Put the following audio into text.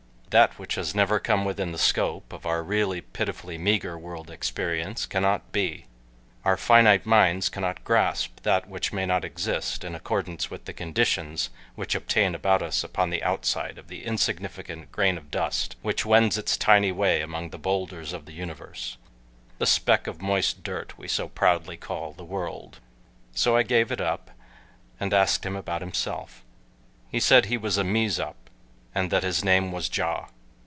That which has never come within the scope of our really pitifully meager world experience cannot be our finite minds cannot grasp that which may not exist in accordance with the conditions which obtain about us upon the outside of the insignificant grain of dust which wends its tiny way among the bowlders of the universe the speck of moist dirt we so proudly call the World. So I gave it up and asked him about himself. He said he was a Mezop, and that his name was Ja.